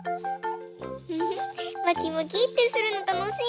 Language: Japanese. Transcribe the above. フフまきまきってするのたのしい！